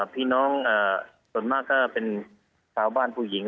พี่น้องส่วนมากก็เป็นชาวบ้านผู้หญิง